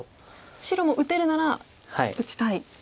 白も打てるなら打ちたいですね。